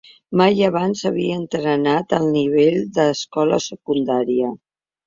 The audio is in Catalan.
Mai abans havia entrenat al nivell d'escola secundària.